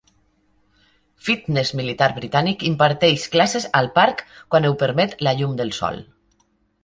Fitness militar britànic imparteix classes al parc quan ho permet la llum del sol.